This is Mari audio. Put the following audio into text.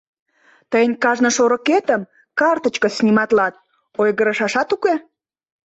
Тыйын кажне шорыкетым картычкыш сниматлат, ойгырышашат уке!